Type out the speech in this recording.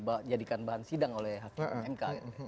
tidak bisa dijadikan bahan sidang oleh mk